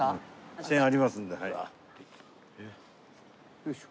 よいしょ。